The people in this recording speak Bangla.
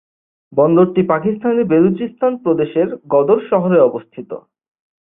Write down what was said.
বন্দরটি পাকিস্তানের বেলুচিস্তান প্রদেশের গদর শহরে অবস্থিত।